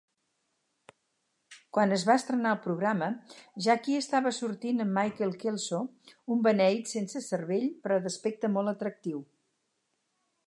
Quan es va estrenar el programa, Jackie estava sortint amb Michael Kelso, un beneït sense cervell però d'aspecte molt atractiu.